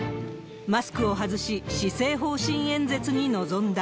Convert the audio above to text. マスクを外し、施政方針演説に臨んだ。